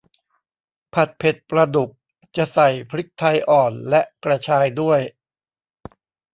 ผัดเผ็ดปลาดุก จะใส่พริกไทยอ่อนและกระชายด้วย